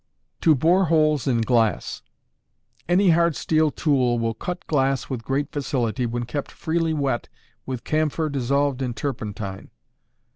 To Bore Holes in Glass. Any hard steel tool will cut glass with great facility when kept freely wet with camphor dissolved in turpentine.